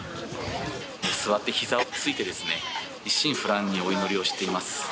座って、ひざをついて一心不乱にお祈りをしています。